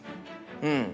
うん。